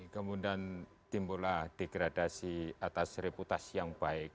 kemudian timbullah degradasi atas reputasi yang baik